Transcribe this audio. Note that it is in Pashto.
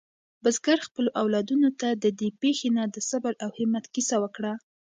بزګر خپلو اولادونو ته د دې پېښې نه د صبر او همت کیسه وکړه.